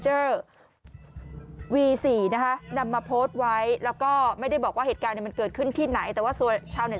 สิสิสิสิสิสิสิสิสิสิสิสิสิสิสิสิสิสิสิสิสิ